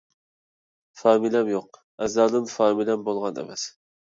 فامىلەم يوق، ئەزەلدىن فامىلەم بولغان ئەمەس.